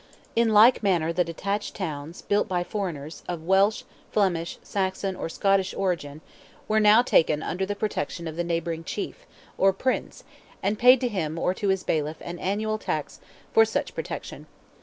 In like manner the detached towns, built by foreigners, of Welsh, Flemish, Saxon, or Scottish origin, were now taken "under the protection" of the neighbouring chief, or Prince, and paid to him or to his bailiff an annual tax for such protection.